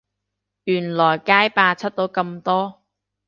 原來街霸出到咁多